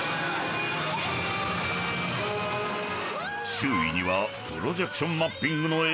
［周囲にはプロジェクションマッピングの映像が］